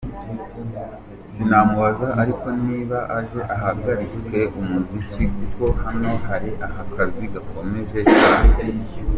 sinamubuza ariko niba aje ahagarike umuziki, kuko hano hari akazi gakomeye cyane”.